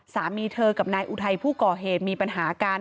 สามีเธอกับนายอุทัยผู้ก่อเหตุมีปัญหากัน